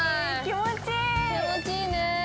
◆気持ちいいね。